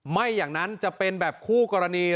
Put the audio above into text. ไม่อย่างนั้นจะเป็นแบบคู่กรณี